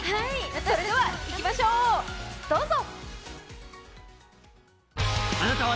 それではいきましょう、どうぞ。